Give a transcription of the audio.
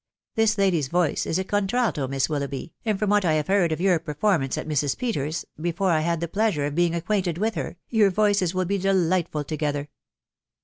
This lady's voice is a contralto, Miss Wil loughby, and from what I have heard of your performance at Mrs. Peters's, before I had the pleasure of being acquainted with her, your voices will be delightful together."